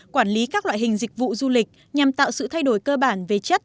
quản lý các loại hình dịch vụ du lịch nhằm tạo sự thay đổi cơ bản về chất